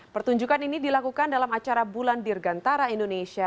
pertunjukan ini dilakukan dalam acara bulan dirgantara indonesia